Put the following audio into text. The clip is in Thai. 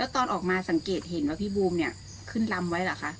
ตอนออกมาสังเกตเห็นว่าพี่บูมเนี่ยขึ้นลำไว้เหรอคะ